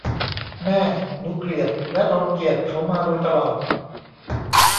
แม่ หนูเกลียดและรังเกียจเขามาโดยตลอด